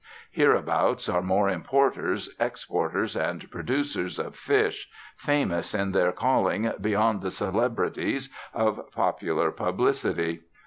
Hereabout are more importers, exporters, and "producers" of fish, famous in their calling beyond the celebrities of popular publicity.